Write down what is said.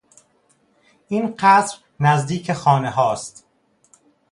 این قصر نزدیک خانه ها است.